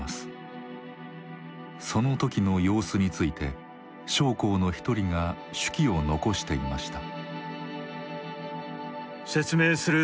その時の様子について将校の一人が手記を残していました。